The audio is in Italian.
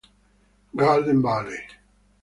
Garden Valley